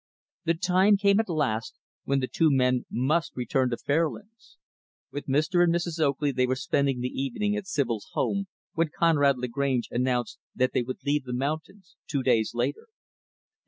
The time came, at last, when the two men must return to Fairlands. With Mr. and Mrs. Oakley they were spending the evening at Sibyl's home when Conrad Lagrange announced that they would leave the mountains, two days later.